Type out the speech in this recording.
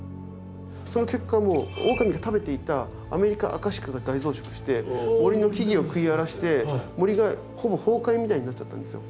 その結果オオカミが食べていたアメリカアカシカが大増殖して森の木々を食い荒らして森がほぼ崩壊みたいになっちゃったんですよ。